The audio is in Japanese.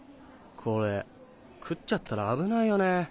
これ食っちゃったら危ないよね。